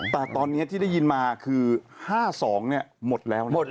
แต่ตอนนี้ที่ได้ยินมาคือ๕๒หมดแล้วนะครับ